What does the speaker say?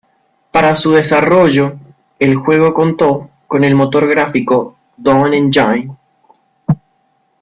Para su desarrollo, el juego contó con el motor gráfico Dawn Engine.